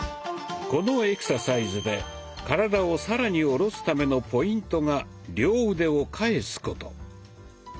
このエクササイズで体を更に下ろすためのポイントが両腕を返すこと。